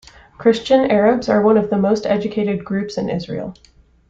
Christian Arabs are one of the most educated groups in Israel.